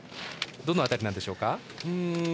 どの辺りなんでしょうか。